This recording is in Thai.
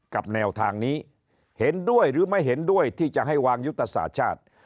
แนวทางนี้เห็นด้วยหรือไม่เห็นด้วยที่จะให้วางยุทธศาสตร์ชาติ